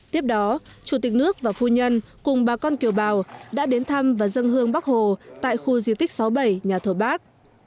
tiếp đó chủ tịch nước và phu nhân cùng bà con kiều bào đã đến thăm và dân hương bắc hồ tại khu di tích sáu mươi bảy nhà thờ bác